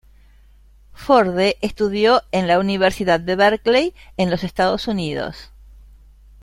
Forde estudió en la Universidad de Berkeley, en los Estados Unidos.